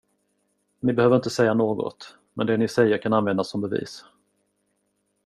Ni behöver inte säga något, men det ni säger kan användas som bevis.